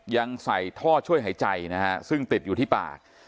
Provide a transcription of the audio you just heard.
ยังใส่ท่อช่วยหายใจนะฮะซึ่งติดอยู่ที่ปาก